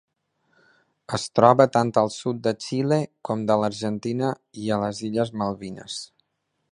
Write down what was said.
Es troba tant al sud de Xile com de l'Argentina i a les Illes Malvines.